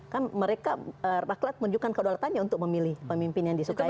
kan mereka rakyat menunjukkan kedaulatannya untuk memilih pemimpin yang disukai